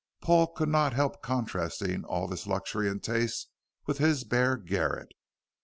Paul could not help contrasting all this luxury and taste with his bare garret.